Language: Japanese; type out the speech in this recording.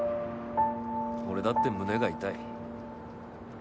俺だって胸が痛い。